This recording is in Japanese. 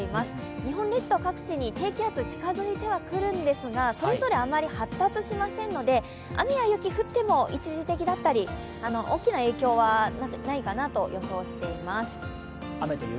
日本列島各地に低気圧、近づいてはくるんですがそれぞれあまり発達しませんので雨や雪が降っても一時的だったり大きな影響はないかなと予想しています。